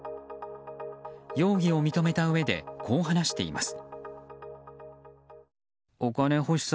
容疑を認めたうえでこう話しています。